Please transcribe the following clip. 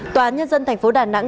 tòa nhân dân tp đà nẵng